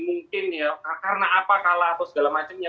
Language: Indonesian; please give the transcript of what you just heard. mungkin ya karena apa kalah atau segala macamnya